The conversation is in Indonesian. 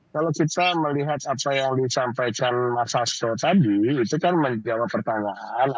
kalau kita melihat apa yang disampaikan mas hasto tadi itu kan menjawab pertanyaan